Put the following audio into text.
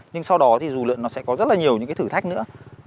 nhưng sau đó thì dụ lượng nó sẽ có rất là nhiều những cái thử thách nữa